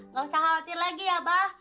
nggak usah khawatir lagi ya abah